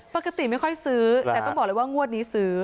ไม่ค่อยซื้อแต่ต้องบอกเลยว่างวดนี้ซื้อ